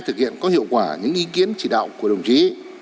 thực hiện có hiệu quả những ý kiến chỉ đạo của đồng chí